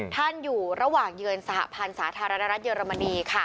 ท่านอยู่ระหว่างเยือนสหพันธ์สาธารณรัฐเยอรมนีค่ะ